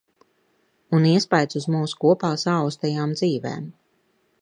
Un iespaids uz mūsu kopā saaustajām dzīvēm.